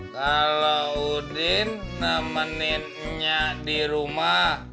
kalo udin nemenin nyak dirumah